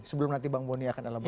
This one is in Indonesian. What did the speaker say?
sebelum nanti bang boni akan elaborasi